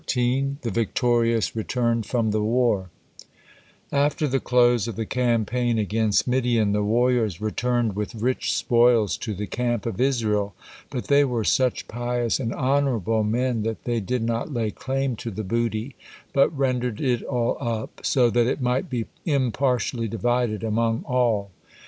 THE VICTORIOUS RETURN FROM THE WAR After the close of the campaign against Midian, the warriors returned with rich spoils to the camp of Israel, but they were such pious and honorable men that they did not lay claim to the booty, but rendered it all up, so that it might be impartially divided among all.